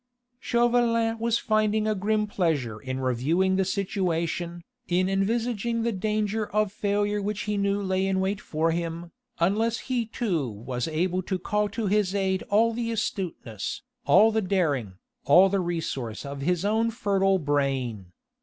Chauvelin was finding a grim pleasure in reviewing the situation, in envisaging the danger of failure which he knew lay in wait for him, unless he too was able to call to his aid all the astuteness, all the daring, all the resource of his own fertile brain.